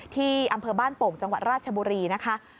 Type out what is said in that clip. ที่อำเภอบ้านโป่งจังหวัดราชบุรีนะคะ